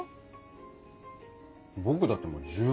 僕だってもう十分。